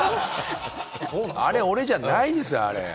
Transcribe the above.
あれ、俺じゃないですよ！